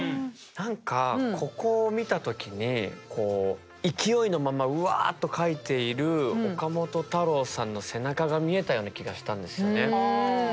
何かここを見た時にこう勢いのままうわっと描いている岡本太郎さんの背中が見えたような気がしたんですよね。